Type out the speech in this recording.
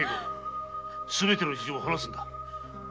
すべての事情を話すのだ。